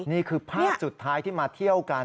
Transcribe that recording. นี่คือภาพสุดท้ายที่มาเที่ยวกัน